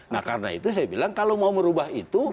nah karena itu saya bilang kalau mau merubah itu